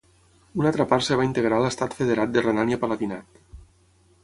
Una altra part es va integrar a l'Estat federat de Renània-Palatinat.